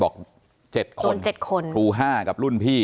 บอกเจ็ดคนโดนเจ็ดคนครูห้ากับรุ่นพี่